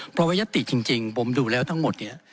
เพราะว่ายัตติจริงผมดูแล้วทั้งหมดเนี่ย